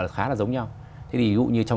khá là giống nhau thế thì ví dụ như trong